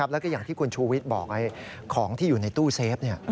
แล้วก็อย่างที่คุณชูวิทย์บอกของที่อยู่ในตู้เซฟ